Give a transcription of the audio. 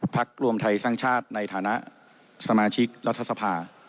รวมไทยสร้างชาติในฐานะสมาชิกรัฐสภา